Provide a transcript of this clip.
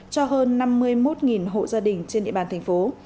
cho hơn năm mươi một hộ gia đình trên địa bàn thành phố